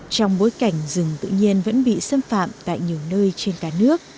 trong bối cảnh rừng tự nhiên vẫn bị xâm phạm tại nhiều nơi trên cả nước